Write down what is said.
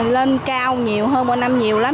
lên cao nhiều hơn một năm nhiều lắm